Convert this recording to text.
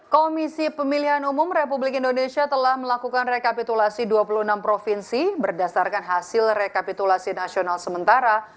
komisi pemilihan umum republik indonesia telah melakukan rekapitulasi dua puluh enam provinsi berdasarkan hasil rekapitulasi nasional sementara